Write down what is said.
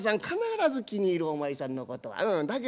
必ず気に入るお前さんのことはうん。